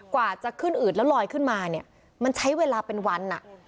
กว่าจะขึ้นอืดแล้วลอยขึ้นมาเนี่ยมันใช้เวลาเป็นวันอ่ะ